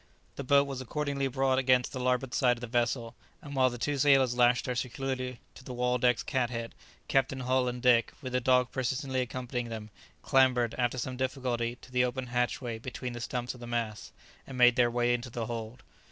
The boat was accordingly brought against the larboard side of the vessel, and while the two sailors lashed her securely to the "Waldeck's" cat head, Captain Hull and Dick, with the dog persistently accompanying them, clambered, after some difficulty, to the open hatchway between the stumps of the masts, and made their way into the hold.